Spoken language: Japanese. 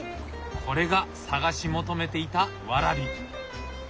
これが探し求めていたワラビ！